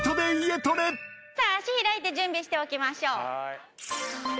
足開いて準備しておきましょう。